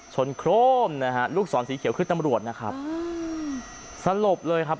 โครงนะฮะลูกศรสีเขียวคือตำรวจนะครับสลบเลยครับ